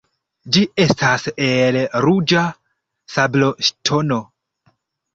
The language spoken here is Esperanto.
Ĝi estas el ruĝa sabloŝtono.